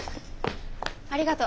ありがとう。